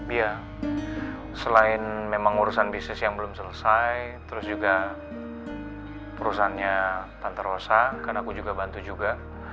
iya selain memang urusan bisnis yang belum selesai terus juga perusahaannya tante rosa kan aku juga bantu juga